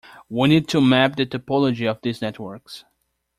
We need to map the topology of these networks.